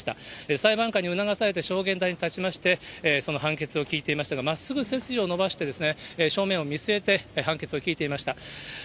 裁判官に促されて証言台に立ちまして、その判決を聞いていましたが、まっすぐ背筋を伸ばして正面を見据えて、判決を聞いていました。